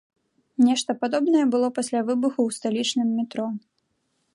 Нешта падобнае было пасля выбуху ў сталічным метро.